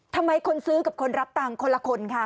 ทำไมคนซื้อกับคนรับตังค์คนละคนคะ